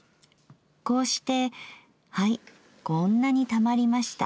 こうして『はいこんなに溜まりました』